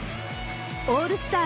オールスター